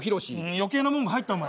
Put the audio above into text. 余計なもんが入ったお前。